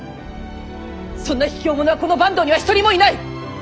そんな卑怯者はこの坂東には一人もいない！